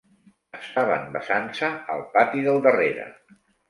Estaven besant-se al pati del darrere.